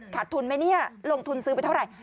ขาดทุนไหมเนี่ยลงทุนซื้อไปเท่าไหร่